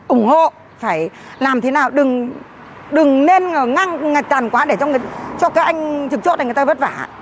ủng hộ phải làm thế nào đừng nên ngăn tàn quá để cho các anh trực chốt này người ta vất vả